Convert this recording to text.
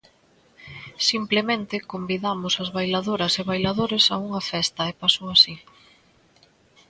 Simplemente convidamos as bailadoras e bailadores a unha festa e pasou así.